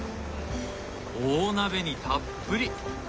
大鍋にたっぷり！